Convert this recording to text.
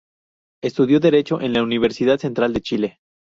Estudio Derecho en la Universidad Central de Chile.